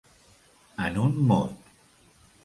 En un mot.